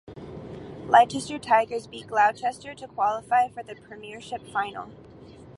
Leicester Tigers beat Gloucester to qualify for the Premiership final.